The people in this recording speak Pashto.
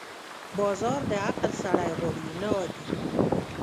بازار د عقل سړی غواړي، نه عادي.